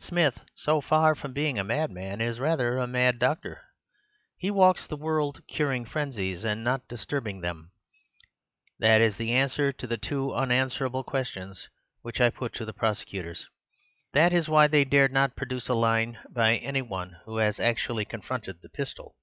Smith, so far from being a madman, is rather a mad doctor— he walks the world curing frenzies and not distributing them. That is the answer to the two unanswerable questions which I put to the prosecutors. That is why they dared not produce a line by any one who had actually confronted the pistol.